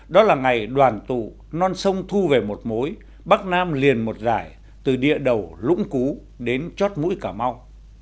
đó là ngày đoàn tụ non sông thu về một mối bắc nam liền một giải từ địa đầu lũng cú đến chót mũi cà mau